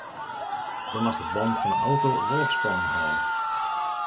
Do moatst de bannen fan de auto wol op spanning hâlde.